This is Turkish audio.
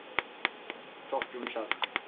Çok yumuşak.